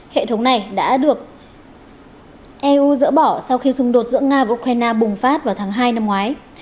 hệ thống này đã được eu dỡ bỏ sau khi xung đột giữa nga và ukraine bùng phát vào tháng hai năm ngoái